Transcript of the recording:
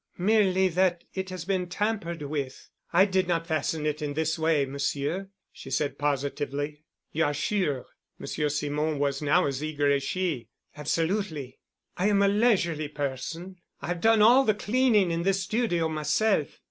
"Merely that it has been tampered with—I did not fasten it in this way, Monsieur," she said positively. "You are sure?" Monsieur Simon was now as eager as she. "Absolutely. I am a leisurely person. I have done all the cleaning in this studio myself.